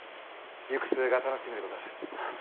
行く末が楽しみでござる。